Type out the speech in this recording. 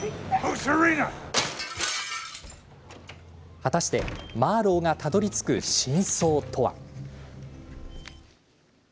果たして、マーロウがたどりつく真相とは。